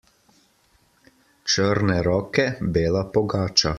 Črne roke, bela pogača.